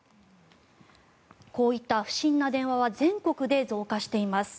こういった不審な電話は全国で増加しています。